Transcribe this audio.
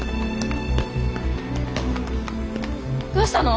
どうしたの？